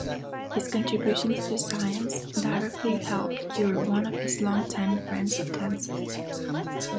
His contributions to science directly helped cure one of his long-time friends of cancer.